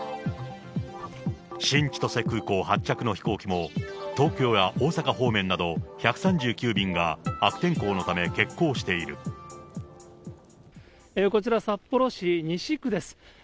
新千歳空港発着の飛行機も、東京や大阪方面など、１３９便が悪天候のため、こちら札幌市西区です。